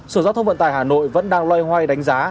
sở giao thông vận tải hà nội vẫn đang loay hoay đánh giá